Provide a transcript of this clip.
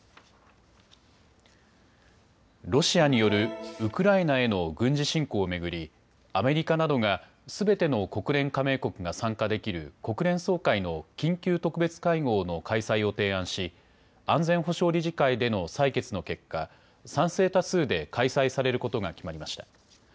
ロシアによるウクライナへの軍事侵攻を巡りアメリカなどがすべての国連加盟国が参加できる国連総会の緊急特別会合の開催を提案し、安全保障理事会での採決の結果、賛成多数で開催されることが決まりました。